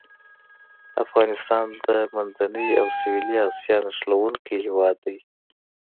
افغانستان د منځنۍ او سویلي اسیا نښلوونکی هېواد دی.